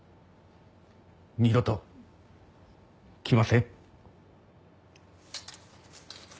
二度と来ません。